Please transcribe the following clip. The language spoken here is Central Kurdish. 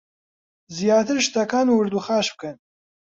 زیاتر شتەکان ورد و خاش بکەن